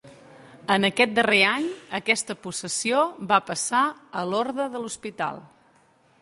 En aquest darrer any, aquesta possessió va passar a l'Orde de l'Hospital.